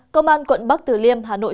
công an quận bắc tử liêm hà nội